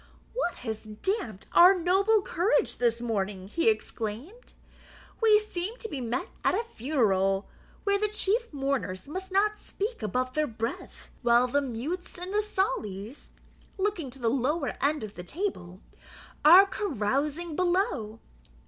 "What has damped our noble courage this morning?" he exclaimed. "We seem to be met at a funeral, where the chief mourners must not speak above their breath, while the mutes and the saulies (looking to the lower end of the table) are carousing below.